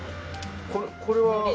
これは。